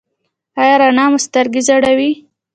ایا رڼا مو سترګې ځوروي؟